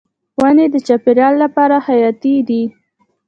ونې د چاپیریال لپاره حیاتي دي.